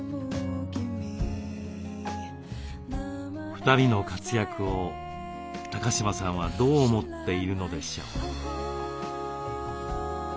２人の活躍を高島さんはどう思っているのでしょう？